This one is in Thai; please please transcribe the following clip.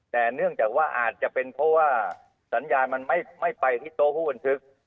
แต่เนื่องจากว่าอาจจะเป็นเพราะว่าสัญญาณมันไม่ไปที่โต๊ะผู้บันทึก